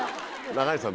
中西さん